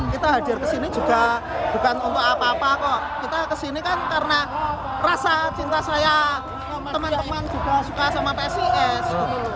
kita hadir kesini juga bukan untuk apa apa kok kita kesini kan karena rasa cinta saya teman teman juga suka sama psis